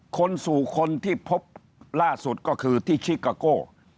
คนสู่คนที่พบล่าสุดก็คือที่ชิกาโก้